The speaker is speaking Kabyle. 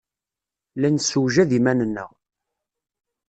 La nessewjad iman-nneɣ.